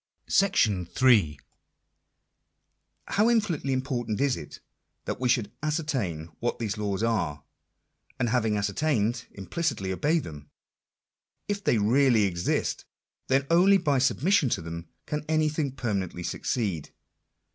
§8. How infinitely important is it, that we should ascertain what these laws are ; and having ascertained, implicitly obey them ! If they really exist, then only by submission to them can anything permanently succeed.